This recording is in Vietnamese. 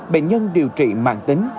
bệnh nhân điều trị mạng tính